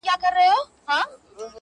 ه زه د دوو مئينو زړو بړاس يمه,